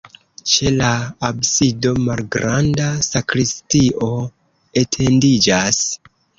Ĉe la absido malgranda sakristio etendiĝas.